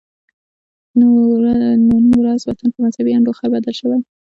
نن ورځ وطن په مذهبي انډوخر بدل شوی دی